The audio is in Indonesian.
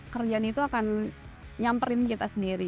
kerjaan itu akan nyamperin kita sendiri